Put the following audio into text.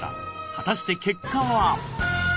果たして結果は？